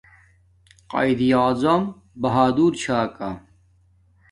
قایداعظم بہادر چھا کا